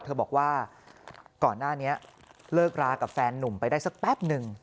เธอบอกว่าก่อนหน้านี้เลิกรากับแฟนนุ่มไปได้สักแป๊บหนึ่ง